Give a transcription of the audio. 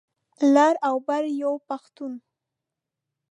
لر او بر یو پښتون.